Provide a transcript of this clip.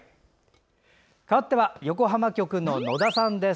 かわっては横浜局の野田さんです。